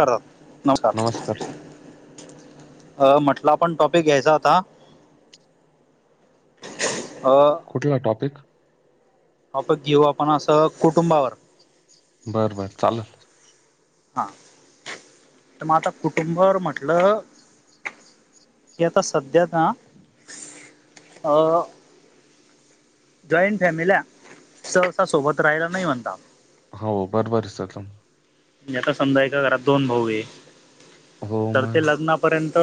कर नमस्कार! अ म्हटलं आपण टॉपिक घ्यायचा होता. अ कुठला टॉपिक आपत घेऊ आपण असं कुटुंबावर- बरं, बर, चालंल. हा, त मग आता कुटुंबावर म्हटलं. तेव्हा पास सध्याना अं... जॉईंट फॅमिल्या स्व सासु सोबत राहायला नाही म्हणतात हाव, बरोबर सर तुम्हच, एका सुनबाईच्या घरात दोन भाऊय हो करतेल मग लग्न पर्यंत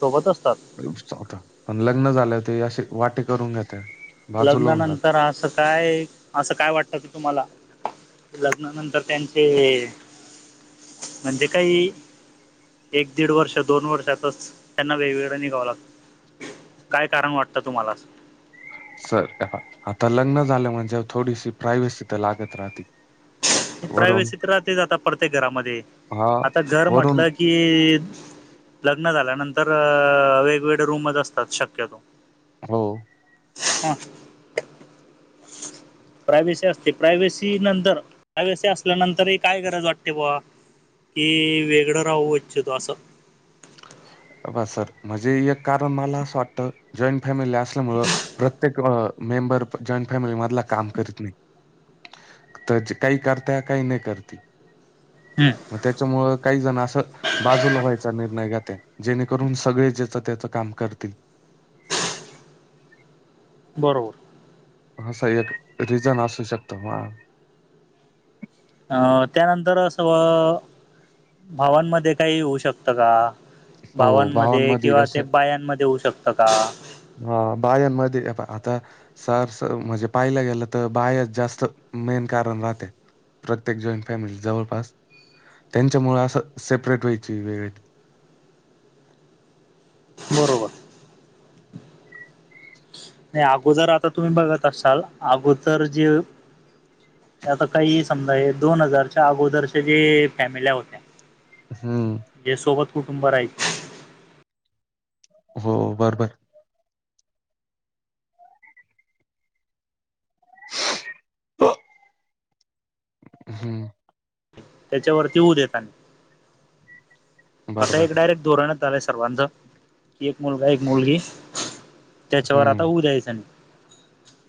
सोबत असतात. [unintelligible] अनं लग्न झाल्याव ते असे वाटे करून घेत्या. लग्नानंतर अस. काय असं काय वाटत की तुम्हाला, लग्नानंतर त्यांचे म्हणजे काही. एक दीड वर्ष, दोन वर्षातच, त्यांना वेगवेगळं निघावं लागतं. काय कारण वाटतं तुम्हाला असं. सर, आता लग्न झालं म्हणजे थोडीशी प्रावेशी त लागत राहती. प्रावेशी तर राहतेच आता प्रत्येक घरामध्ये, हा आता घर वरून म्हटलं कि. लग्न झाल्यानंतर अ वेगवेगळे रूमच असतात शक्यतो. हो, हा प्राव्हेशी असते प्राव्हेशी नंतर प्राव्हेशी असल्यानंतरय काय गरज वाटते बुवा. की, वेगळं राहू इच्छितो असं. हे बघा सर, म्हणजे एक कारण मला असं वाटतं जॉईंट फॅमिली असल्यामुळ प्रत्येक अ मेंबर जॉईंट फॅमिली मधला काम करीत नाही. त जे काही करता, काही नही करती, हम्म, मग त्याच्यामुळ काही जण असं बाजूला व्हायचा निर्णय घ्या ते जेणेकरून सगळे ज्याच त्याच काम करतील. बरोबर, असा एक रिझन असू शकतो म अ त्यानंतर असं बॉ, भावांमध्ये काही होऊ शकतं का, हो भावांमध्ये किंवा असे त्या बायांमध्ये होऊ शकतं का, हा बायांमध्ये हेपा आता सर स म्हणजे पाहिला गेलं तर बायाच जास्त मेन कारण राहते. प्रत्येक जॉईंट फॅमिली जवळपास, त्यांच्यामुळे असं सेपरेट व्हायची वेळ येते. बरोबर, नाही अगोदर आता तुम्ही बघत असाल अगोदर जे आता काहीही समजा हे दोन हजारच्या अगोदरच्या जे फॅमिल्या होत्या. हम, जे सोबत कुटुंब राहिच हो बरोबर, हूं... त्याच्या वरती होऊ देत आणि आता बरोबर एक आहे डायरेक्ट दोरण्यात आलाय सर्वांद कि एक मुलगा-एक मुलगी त्याच्यावर आता हम्म होऊ दयचं नाही.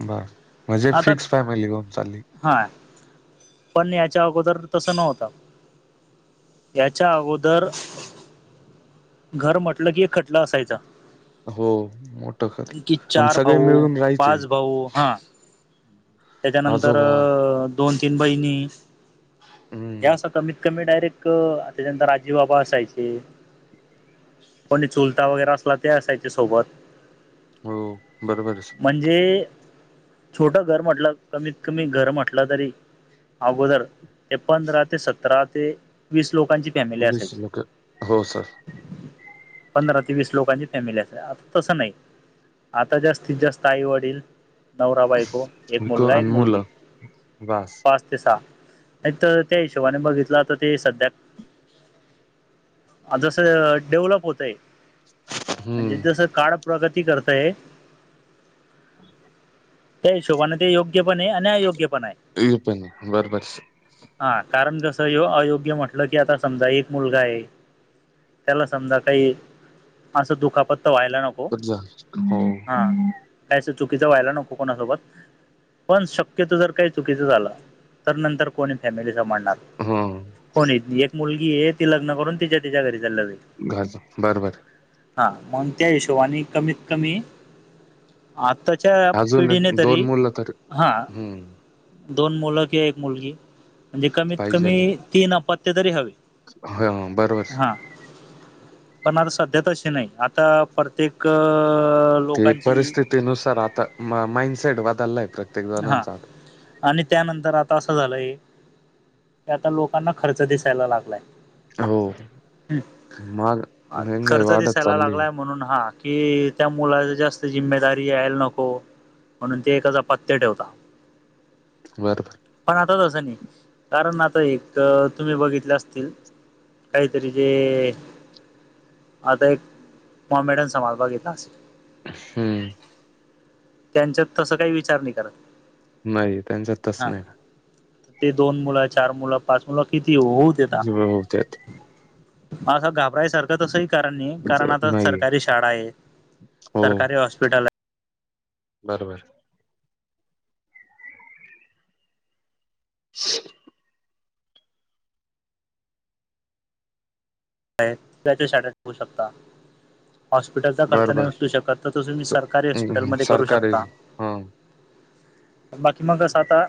बर म्हणजे आता फिक्स फॅमिली होऊन चालली. हा, पण याच्या अगोदर तसं नव्हतं. याच्याअगोदर, घर म्हटलं की, एक खटला असायचा. हो मोठ खर की आणि चार सगळे भाऊ, मिळून राहायचे पाच भाऊ हा त्याच्यानंतर आजोबा दोन- तीन बहिणी हे हम्म, असं कमीत कमी डायरेक्ट क त्याच्यानंतर आजी- बाबा असायचे, कोणी चुलता वगैरे असला ते असायच्या सोबत. हो बरोबरच. म्हणजे छोट घर म्हटलं, कमीत -कमी घर म्हटलं तरी, अगोदर एक पंधरा ते, सतरा ते, वीस लोकांची फॅमिली वीस असायची. लोक हो सर पंधरा ते वीस लोकांची फॅमिली असायची, आता तसं नाही. आता जास्तीत जास्त आई- वडील, नवरा- बायको एक आणि मुलगा एक दोन मुलगी मुलं बास. पाच ते सहा नाही तर त्या हिशोबाने बघितला तर ते सध्या जसं डेव्हलप होतंय, म्हणजे हम्म जसं काळ प्रगती करतंय [unintelligible] दोघांना ते योग्य पण आहे आणि अयोग्य पण आहे. हे पण आहे. बरोबर आहे सर हा कारण कसं ये अयोग्य म्हटलं की आता समजा एक मुलगा आहे, त्याला समजा काही, असं दुखापतत व्हायला नको हा [unintelligible] काय अस चुकीचं व्हायला नको कोणासोबत, पण शक्यतो जर काही चुकीच झालं तर नंतर कोणी फॅमिलीचा मान हम्म [unintelligible] एक मुलगी आहे ती लग्न करून तिच्या तिच्या घरी घाल बरोबर आहे. [unintelligible] हा मंग त्या हिशोबाने कमीत -कमी आताच्या अजून पिढीने एक- तरी, दोन मुलं तर हम्म हं दोन मुलं कि- एक मुलगी म्हणजे कमीत कमी, तीन अपत्य तरी हवी. हं बरोबर. पण आता सध्या तशे नाही आता परतेक ते परिस्थितीनुसार आता मा-माइंडसेट बदललाय तर हंअ् आणि त्यानंतर आता असं झालंय की, आता लोकांना खर्च दिसायला लागलाय. हो हू.. माग आ् महंगाई खर्च वाढत दिसायला चालली लागलाय, म्हणून हा की, त्या मुलाला जास्त जिम्मेदारी यायला नको म्हणून ते एका जाप् पत्य ठेवता. बर... पण आता तसं नाही, कारण आता एक तर तुम्ही बघितले असतील, काहीतरी जे आदर एक मोमेडन समाज बघितला असन हम्म त्यांच्यात तसं काही विचार नाही करत. नाही त्यांच्यात तस हा नाही ना ते दोन मुलं, चार मुलं, पाच मुलं किती होऊ देता. हो त्यात हास घाबरायसारं- आता तसही कारण नाही, कारण तसं आता नाही सरकारी शाळा आहे, सरकारी हॉस्पिटल आ- बर बर [unintelligible] [inaudible] सोडवू शकता. हॉस्पिटलचा खर्च बर नाही बर उचलू शकत, तर तुम्ही स- सरकारी हम्म, हॉस्पिटलमध्ये करू सरकारी शकता. हा बाकी मग असं आता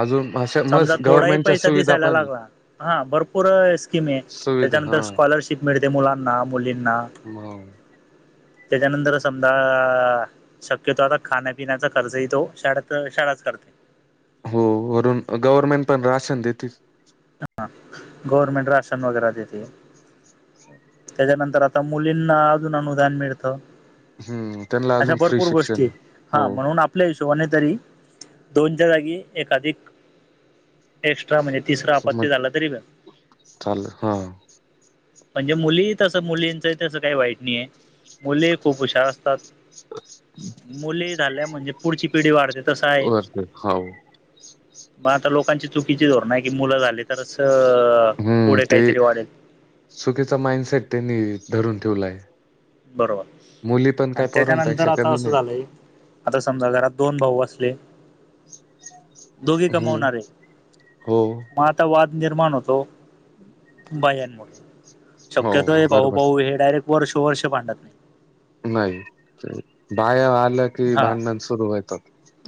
अजून अशा समजा मस्त थोडाही गव्हर्मेंटच्या पैसा सुविधा दिसायला पण आहे. लागला, हं भरपूर अस् स्किम आहे. सुविधा हा त्याच्यानंतर स्कॉलरशिप मिळते मुलांना, मुलींना. म त्याच्या नंतर समादा शक्यतो आता खाण्यापिण्याचा खर्चही तो शाडेत- शाळाच करते. हो वरून गव्हर्नमेंट पण राशन देेतीच. अहं गव्हर्नमेंट राशन वगैरे देते. त्याच्यानंतर आता मुलींना अजून अनुदान मिळतं. हम्म त्यांना अशा अजून फ्री भरपूर गोष्टी शिक्षण आहे. हा हो म्हणून आप आपल्या हिशोबाने तरी दोनच्या जागी एखाधिक एक्स्ट्रा म्हणजे तिसर मग आपत्ती झाला तरी चाल हां म्हणजे मुली तसं मुलींच तस काही वाईट नाही आहे मुली खूप हुशार असतात. मुली झाल्या म्हणजे पुढची पिढी वाढते तस आहे. वरते हो [unintelligible] मग आता लोकांची चुकीची धोरण आहे की, मुलं झाली तरच हम्म पुढे ते काहीतरी वाढेल. चुकीचा माइंडसेट त्यांनी धरून ठेवलाय. बरोबर मुली पण काय आणि त्याच्यानंतर पोरांपेक्षा आता कमी असं नाही झालंय. आता समजा घरात दोन भाऊ असले, दोघे हम्म कमवणारे हो म वाद निर्माण होतो बायामुळे, हो शक्यतो हे भाऊ बरोबर भाऊ हे डायरेक्ट वर्ष वर्ष भांडत नाही. नाही बाया आलं की हा भांडण सुरू होतात.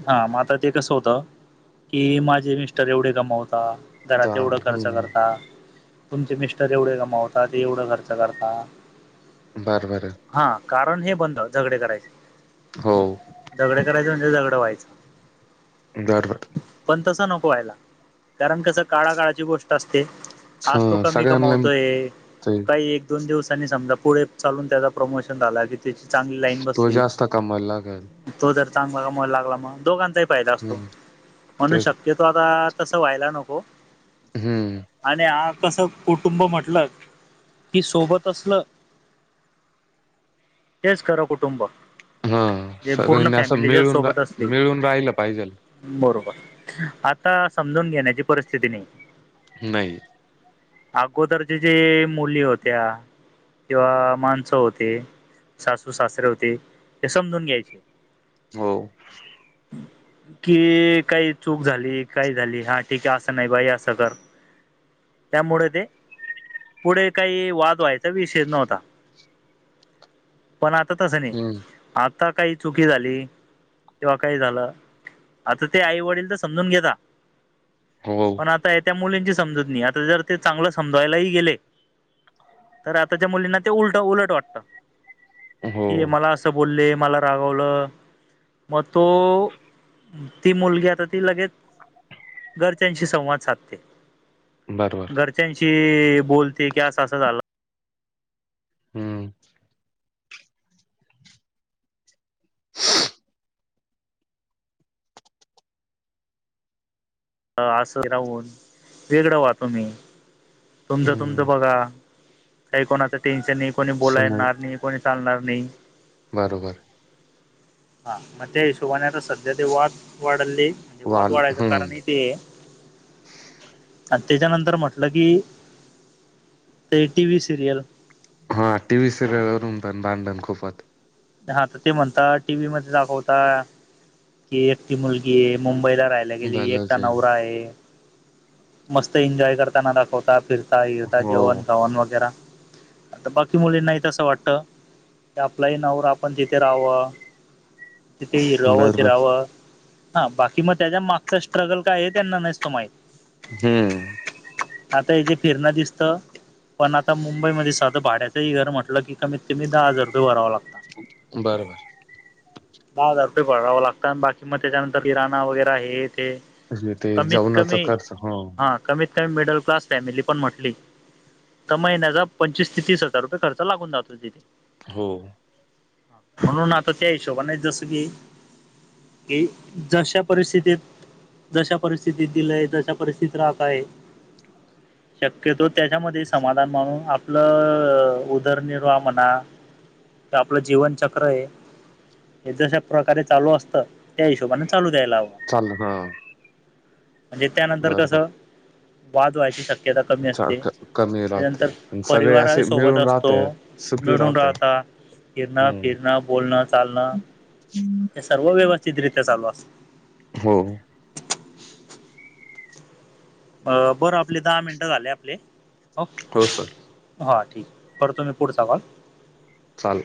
हा मग आता ते कसं होतं की, माझे मिस्टर एवढे कमावता. दा- घरात एवढं खर्च हम्म करता. तुमचे मिस्टर एवढे कमावताात ते एवढं खर्च करता. बर बरं हा कारण हे बनत झगडे करायचे. हो झगडे करायच म्हणजे झगड व्हायचं बर बर पण तस नको व्हायला. कारण कस काळा काळाची गोष्ट अस छ आज तो कमी सगळ्यांना कमावतोय ते काही एक दोन दिवसांनी समजा पुढे चालून त्याचा प्रमोशन झाला की, त्याची चांगली लाईन बसली. आता कमवायला लागल. तो जर चांगला कमवायला लागला मग दोघांचाही फायदा असतो. हम्म म्हणून तेच शक्यतो आपण तस व्हायला नको. हम्म आणि हा कस कुटुंब म्हटल कि सोबत असल तेच खर कुटुंब. हो जे पूर्ण सगळ्यानी अस फॅमिली जर मिळून सोबत असली मिळून राहिल पाहिजेल. बरोबर आता समजून घेण्याची परिस्थिती नाही. नाही अगोदरच्या जे मुली होत्या. किंवा माणस होते सासू सासरे होते. ते समजून घ्यायचे. हो [inaudible] कि काही चूक झाली, काही झाली, हा ठीक आहे अस नाही बाई अस कर. त्यामुळे ते पुढे काही वाद व्हायचा विषयच नव्हता. पण आता तस नाही हम्म आता काही चुकी झाली. किंवा काही झाल आता ते आई वडील तर समजून घेता. हो हो पण आता त्या मुलींची समजूत नाही आता जर ते चांगल समज वायलाही गेले. तर आताच्या मुलींना ते उलट उलट वाटत, हो कि मला अस बोलले. मला रागवल. मग तो ती मुलगी आता ती लगेच घरच्यांशी संवाद साधते. बरोबर. घरच्यांशी बोलते की अस अस झाल? हम्म [inaudible] अस राहून. वेगळं व्हा तुम्ही? तुमच तुम हम्म बघा काही कोणाच टेन्शन नाही कोणी बोलाय येणार नाही कोणी चालणार नाही. बरोबर हा मग त्या हिशोबाने आता सध्या ते वाद वाढले. म्हणजे वाद वाल वाढायच हम्म कारण ते आहे. अन त्याच्यानंतर म्हटलं की ते टी. व्ही सिरियल हा टी व्ही सिरियलवरून पण भांडण खूप होतात. हा त ते म्हणता. टी. व्ही मध्ये दाखवता की एकटी मुलगीये मुंबईला राह त्या गेली. एकटा झालंचय. नवरा आहे. मस्त एन्जॉय करताना दाखवता. फिरता हिंडता हो जेवण खावण वगैरा? आता बाकी मुलींनाही तस वाटत त्या आपलाही नवरा आपण तिथे राहाव. तिथे हिंडाव बरोबर फिराव? हा बाकी मग त्याच्या मागच स्ट्रगल काये हे त्यांना नसत माहित. हम्म आत्ता हे जे फिरण दिसत. पण आता मुंबईमध्ये साध भाड्याचही घर म्हटल की कमी कमी दहा हजार रुपये भरावे लागतात. बरोबर दहा हजार रुपये भरावे लागता. बाकी मग त्याच्यानंतर किराणा वगैरा हे ते. म्हणजे ते कमीत जेवणाचा कमी खर्च हं. हा कमीत कमी मिडल क्लास फॅमिली पण म्हटली त महिन्याचा पंचवीस ते तीस हजार रुपये खर्च लागून जातो तिथे? हो.. म्हणून.. आता त्या हिशोबान जस की.. की जशा परिस्थितीत.. जशा परिस्थितीत दिलय तस परिस्थित राहता येईल. शक्यतो त्याच्यामध्ये समाधान म्हणून आपल उदरनिर्वाह म्हणा ते आपल जीवनचक्रये हे जशा प्रकारे चालू असत. त्या हिशोबाने चालू द्यायला हव? चाल ह म्हणजे त्यानंतर कस? वाद व्हायची शक्य शक्यता कमी चा- असते. क- कमी राहते त्यानंतर आणि सगळे परिवारा असे सोबत मिळून राहत असतो आहे, सुखी मिळून राहत आहे. राहता. हिंडण हम्म फिरण बोलण चालण हे सर्व व्यवस्थितरित्या चालू असत. हो. अ बर.. आपले दहा मिनट झाले आपले. हो सर. हा ठीके करतो.. मी पुढचा कॉल? चाल